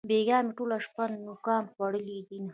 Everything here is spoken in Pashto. بېگاه مې ټوله شپه نوکان خوړلې دينه